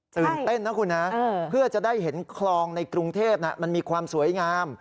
ตื่นเต้นนะคุณนะเพื่อจะได้เห็นคลองในกรุงเทพมันมีความสวยงาม